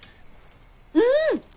うん！